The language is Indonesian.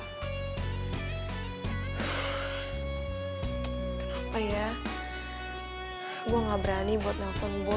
kenapa ya gue gak berani buat nelfon boy